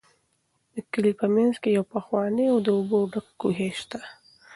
د کلي په منځ کې یو پخوانی او د اوبو ډک کوهی شته.